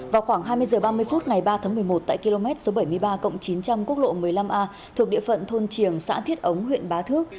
vào khoảng hai mươi h ba mươi phút ngày ba tháng một mươi một tại km số bảy mươi ba chín trăm linh quốc lộ một mươi năm a thuộc địa phận thôn triềng xã thiết ống huyện bá thước